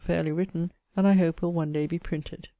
fairly written, and I hope will one day be printed.